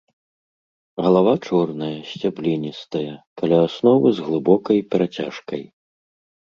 Галава чорная, сцябліністая, каля асновы з глыбокай перацяжкай.